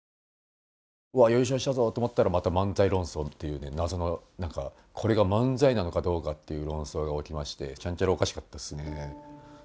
わ優勝したぞと思ったらまた漫才論争っていうね謎の何かこれが漫才なのかどうかっていう論争が起きましてちゃんちゃらおかしかったですね。